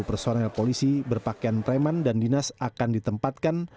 personel polisi berpakaian preman dan dinas akan ditempatkan